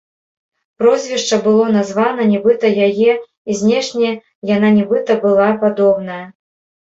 Прозвішча было названа нібыта яе і знешне яна нібыта была падобная.